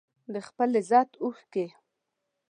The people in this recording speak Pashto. د خپل لذت اوښکې